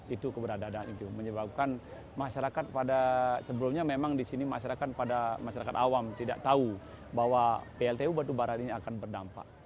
itu keberadaannya itu menyebabkan masyarakat pada sebelumnya memang di sini masyarakat pada masyarakat awam tidak tahu bahwa pltu batubara ini akan berdampak